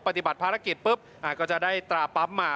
ปฏิบัติภารกิจปุ๊บก็จะได้ตราปั๊มมา